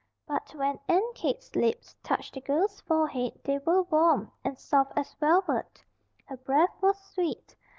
But when Aunt Kate's lips touched the girl's forehead they were Warm, and soft as velvet. Her breath was sweet.